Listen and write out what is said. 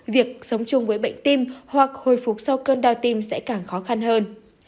việc sống chung với bệnh tim hoặc hồi phục sau cơn đau tim sẽ càng khó khăn hơn